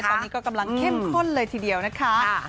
ตอนนี้ก็กำลังเข้มข้นเลยทีเดียวนะคะ